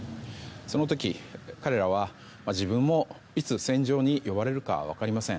その時、彼らは自分もいつ戦場に呼ばれるか分かりません。